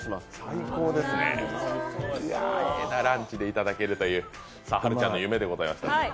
最高ですね、ええなランチでいただけるというはるちゃんの夢でございます。